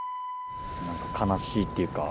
なんか悲しいっていうか。